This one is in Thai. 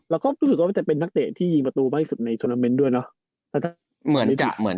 เราก็รู้สึกว่ามันจะเป็นนักเตะที่ยิงประตูมากที่สุดในทวนาเมนต์ด้วยเนาะ